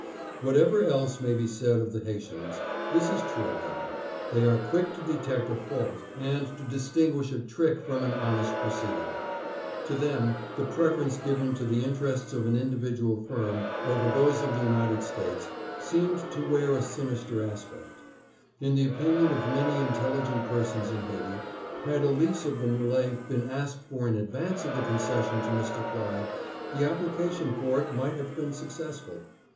Whatever else may be said of the Haitians, this is true of them : they are quick to detect a fault and to distinguish a trick from an honest proceeding. To them the preference given to BAD EFFECT OF THE CLYDE PROPOSITION. 751 the interests of an individual firm over those of the United States seemed to wear a sinister aspect. In the opinion of many intelligent persons in Haiti, had a lease of the M61e been asked for in advance of the concession to Mr. Clyde, the application for it might have been successful.